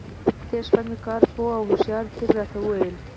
تېره شپه مې کار پوه او هوښیار پیر راته وویل.